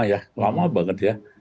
ya lama banget ya